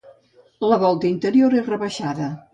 La volta interior és rebaixada.